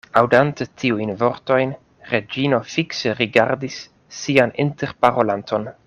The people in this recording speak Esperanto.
Aŭdante tiujn vortojn, Reĝino fikse rigardis sian interparolanton.